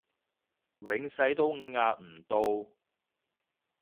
永世都壓唔到